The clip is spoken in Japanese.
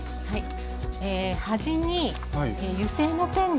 はい。